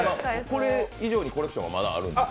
これ以上にコレクションはまだあるんですか？